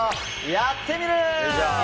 「やってみる。」。